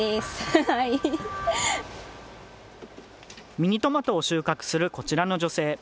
ミニトマトを収穫するこちらの女性。